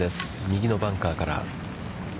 右のバンカーから。